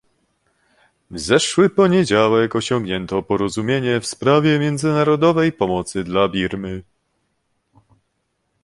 W zeszły poniedziałek osiągnięto porozumienie w sprawie międzynarodowej pomocy dla Birmy